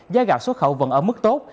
giá gạo xuất khẩu vẫn ở mức tốt